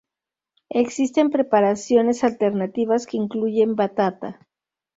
Existen preparaciones alternativas que incluyen batata.